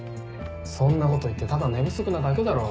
そんなこと言ってただ寝不足なだけだろ。